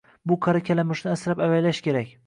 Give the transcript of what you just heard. Bu qari kalamushni asrab-avaylash kerak